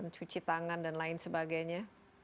cuci tangan dan lain sebagainya